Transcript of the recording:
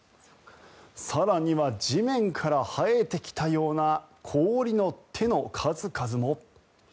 更には地面から生えてきたような氷の手の数々も。